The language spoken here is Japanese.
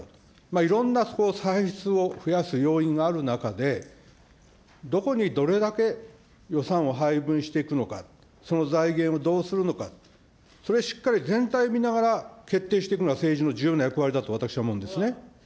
いろんな歳出を増やす要因がある中で、どこにどれだけ予算を配分していくのか、その財源をどうするのか、それ、しっかり全体見ながら、決定していくのが政治の重要な役割だと私は思うんですね。